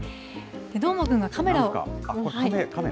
どーもくんはカメラを。